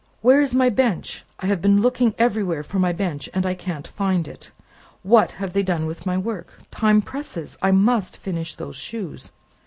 "Where is my bench? I have been looking everywhere for my bench, and I can't find it. What have they done with my work? Time presses: I must finish those shoes."